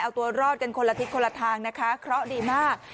เอาตัวรอดกันคนละทิศคนละทางนะคะเคราะห์ดีมาก